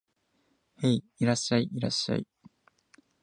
へい、いらっしゃい、いらっしゃい